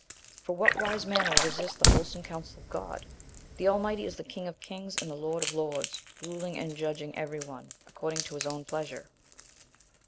For what wise man will resist the wholesome counsel of God? The Almighty is the King of kings, and the Lord of lords, ruling and judging every one, according to his own pleasure.